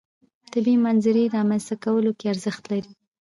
طبیعي منظرې رامنځته کولو کې ارزښت لري.